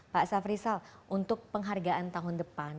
pak safri sal untuk penghargaan tahun depan